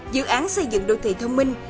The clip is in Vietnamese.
dự án xây dựng đô thị thông minh